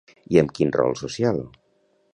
I amb quin rol social?